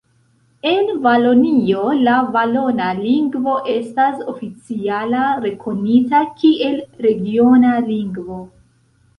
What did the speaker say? En Valonio la valona lingvo estas oficiala rekonita kiel regiona lingvo.